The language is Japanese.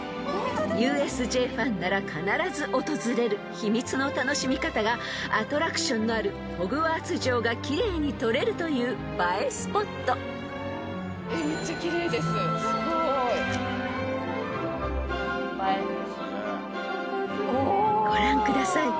［ＵＳＪファンなら必ず訪れる秘密の楽しみ方がアトラクションのあるホグワーツ城が奇麗に撮れるという映えスポット］［ご覧ください］